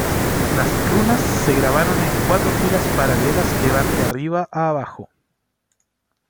Las runas se grabaron en cuatro filas paralelas que van de arriba a abajo.